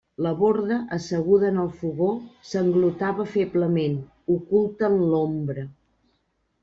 La Borda, asseguda en el fogó, sanglotava feblement, oculta en l'ombra.